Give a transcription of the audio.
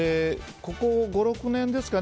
ここ５６年ですかね。